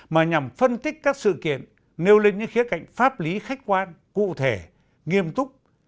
mà nhằm phân tích các sự kiện nêu lên những khía cạnh pháp lý khách quan cụ thể nghiêm túc